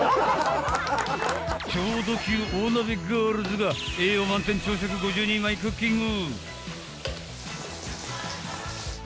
超ド級大鍋ガールズが栄養満点朝食５０人前クッキング。